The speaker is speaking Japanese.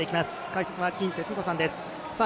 解説は金哲彦さんです。